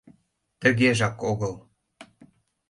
— Тыгежак огыл.